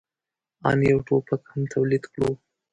آن یو ټوپک هم تولید کړو.